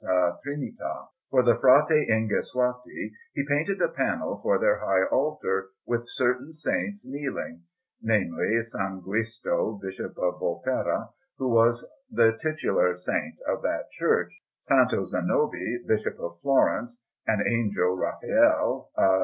Trinita. For the Frati Ingesuati he painted a panel for their high altar, with certain Saints kneeling namely, S. Giusto, Bishop of Volterra, who was the titular Saint of that church; S. Zanobi, Bishop of Florence; an Angel Raphael; a S.